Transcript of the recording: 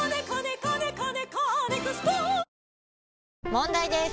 問題です！